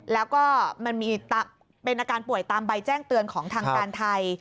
แล้วก็มันมีเป็นอาการป่วยตามใบแจ้งเตือนของทางการไทย